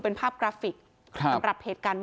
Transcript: เป็นภาพกราฟิกครับ